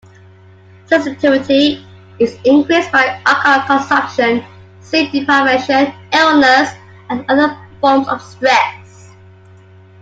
Sensitivity is increased by alcohol consumption, sleep deprivation, illness, and other forms of stress.